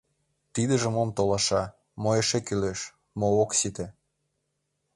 Тидыже мом толаша, мо эше кӱлеш, мо ок сите?